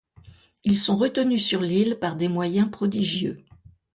Ils sont retenus sur l’île par des moyens prodigieux.